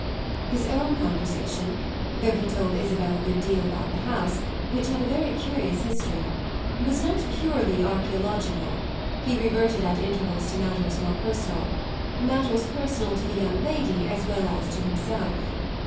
His own conversation (though he told Isabel a good deal about the house, which had a very curious history) was not purely archaeological; he reverted at intervals to matters more personal matters personal to the young lady as well as to himself.